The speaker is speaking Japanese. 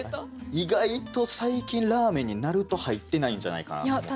意外と最近ラーメンになると入ってないんじゃないかなと思って。